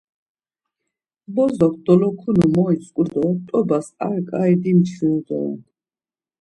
Bozok dolokunu moitzǩu do t̆obas ar ǩai dimçviru doren.